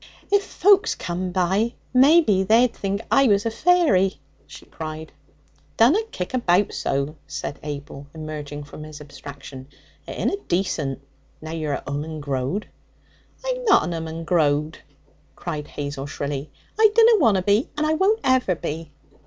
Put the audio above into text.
'If folks came by, maybe they'd think I was a fairy!' she cried. 'Dunna kick about so!' said Abel, emerging from his abstraction. 'It inna decent, now you're an 'ooman growd.' 'I'm not an 'ooman growd!' cried Hazel shrilly. 'I dunna want to be, and I won't never be.'